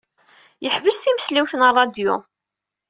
Yeḥbes timesliwt n ṛṛadyu.